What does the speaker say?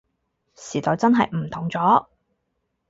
時代真係唔同咗